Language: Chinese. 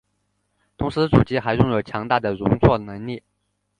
同时主机还拥有强大的容错能力。